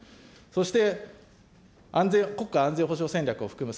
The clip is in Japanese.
そして国家安全保障文書を含む